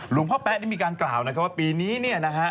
หลุมพ่อแป๊ะมีการกล่าวนะว่าปีนี้เนี่ยนะฮะ